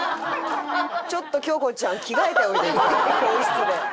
ちょっと京子ちゃん着替えておいで更衣室で。